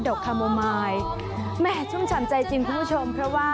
ดอกคาร์โมไมล์แม่ช่วงฉ่ำใจจีนผู้ชมเพราะว่า